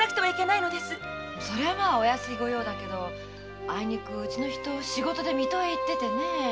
お安い御用だけどあいにくうちの人仕事で水戸へ行ってて。